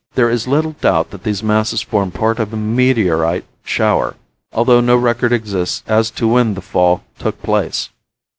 There is little doubt that these masses formed part of a meteorite shower, although no record exists as to when the fall took place.